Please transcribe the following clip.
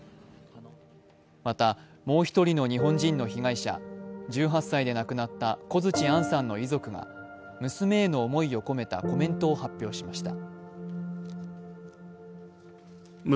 また、もう１人の日本人の被害者１８歳で亡くなった小槌杏さんの遺族が娘への思いを込めたコメントを発表しました。